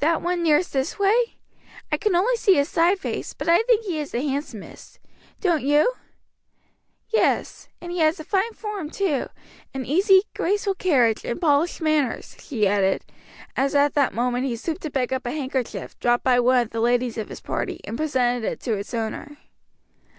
"That one nearest this way? I can only see his side face, but I think he is the handsomest. Don't you?" "Yes; and he has a fine form too, an easy, graceful carriage, and polished manners," she added, as at that moment he stooped to pick up a handkerchief, dropped by one of the ladies of his party, and presented it to its owner.